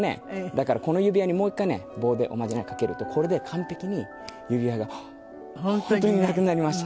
だからこの指輪にもう一回ね棒でおまじないかけるとこれで完璧に指輪があっ本当になくなりました。